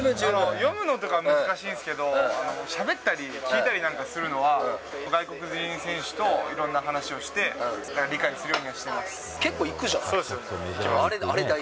読むのとか難しいっすけど、しゃべったり、聞いたりなんかするのは、外国人選手といろんな話をして、理解す結構いくじゃん。